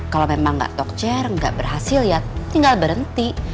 kalau memang gak dokter gak berhasil ya tinggal berhenti